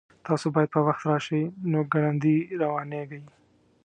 تاسو باید په وخت راشئ نو ګړندي روانیږئ